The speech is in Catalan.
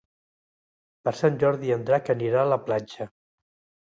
Per Sant Jordi en Drac anirà a la platja.